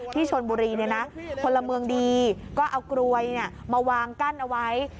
ที่ชลบุรีเนี่ยนะคนละเมืองดีก็เอากล้วยเนี่ยมาวางกั้นเอาไว้